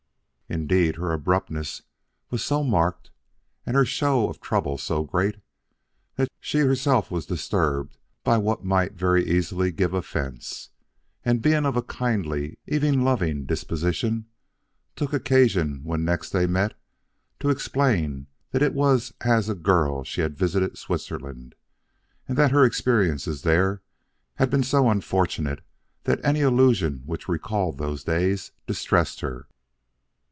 Indeed, her abruptness was so marked and her show of trouble so great, she was herself disturbed by what might very easily give offense, and being of a kindly, even loving disposition, took occasion when next they met to explain that it was as a girl she had visited Switzerland, and that her experiences there had been so unfortunate that any allusion which recalled those days distressed her.